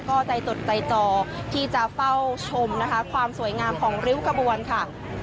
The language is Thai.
ก็ใจตดใจจอที่จะเฝ้าชมนะคะความสวยงามของริ้วขบวนค่ะ